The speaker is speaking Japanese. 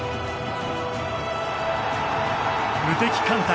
無敵艦隊